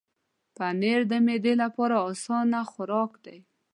پنېر د معدې لپاره اسانه خوراک دی.